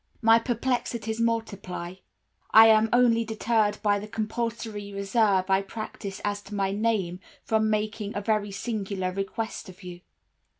My perplexities multiply. I am only deterred by the compulsory reserve I practice as to my name from making a very singular request of you.